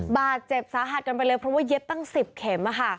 บาดเจ็บสาหัสกันไปเลยเพราะว่าเย็บตั้ง๑๐เข็ม